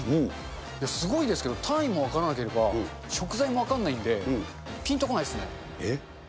すごいですけど、単位も分からなければ、食材も分からないんで、ぴんとこないっすえ？